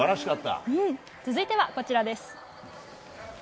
続いては、こちらです。